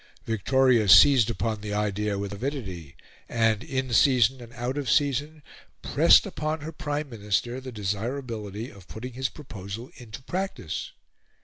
Victoria seized upon the idea with avidity, and, in season and out of season, pressed upon her Prime Minister the desirability of putting his proposal into practice.